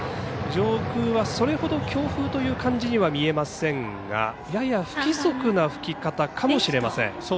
上空はそれほど強風という感じには見えませんがやや不規則な吹き方かもしれません。